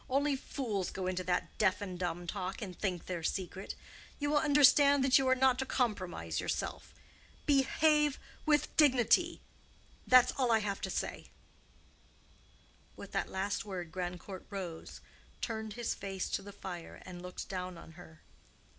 Only fools go into that deaf and dumb talk, and think they're secret. You will understand that you are not to compromise yourself. Behave with dignity. That's all I have to say." With that last word Grandcourt rose, turned his back to the fire and looked down on her.